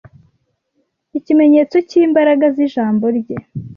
ikimenyetso cy’imbaraga z’ijambo rye